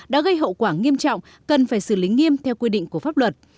đã gây hậu quả nghiêm trọng cần phải xử lý nghiêm theo quy định của pháp luật